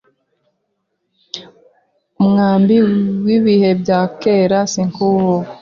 umwambi wibihe bya kera sinkuwubu